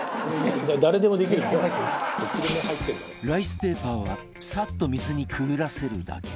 ライスペーパーはさっと水にくぐらせるだけ